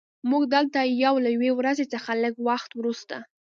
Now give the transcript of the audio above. موږ دلته یو له یوې ورځې څخه لږ وخت وروسته